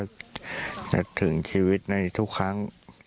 จะถึงชีวิตในทุกครั้ง